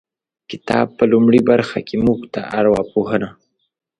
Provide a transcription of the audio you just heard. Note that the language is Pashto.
کتاب په لومړۍ برخه کې موږ ته ارواپوهنه